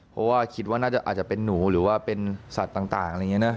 เพราะว่าคิดว่าน่าจะอาจจะเป็นหนูหรือว่าเป็นสัตว์ต่างอะไรอย่างนี้นะ